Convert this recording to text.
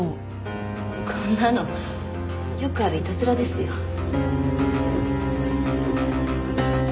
こんなのよくあるいたずらですよ。